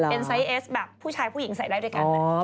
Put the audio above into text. เป็นไซส์เอสแบบผู้ชายผู้หญิงใส่ได้ด้วยกัน